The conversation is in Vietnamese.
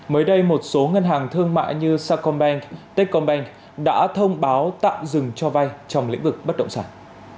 mới đây một số ngân hàng thương mại như sacombank techcombank đã thông báo tạm dừng cho vay trong lĩnh vực bất động sản